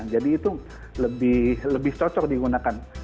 jadi itu lebih cocok digunakan